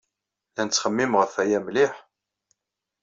La nettxemmim ɣef aya mliḥ.